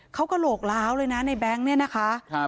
เขากระโหลกล้าวเลยนะในแบงค์เนี่ยนะคะ